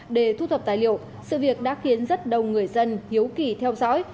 để thu thập tài liệu sự việc đã khiến rất đông người dân hiếu kỳ theo dõi